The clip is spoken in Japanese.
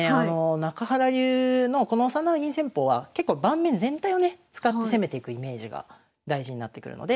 中原流のこの３七銀戦法は結構盤面全体をね使って攻めていくイメージが大事になってくるので